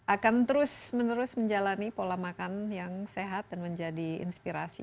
akan terus menerus menjalani pola makan yang sehat dan menjadi inspirasi